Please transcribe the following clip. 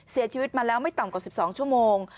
เสียชีวิตมาแล้วไม่ต่ำกว่า๑๒ชั่วโมง